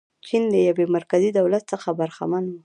چین له یوه مرکزي دولت څخه برخمن و.